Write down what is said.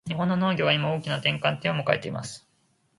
日本の農業は今、大きな転換点を迎えています。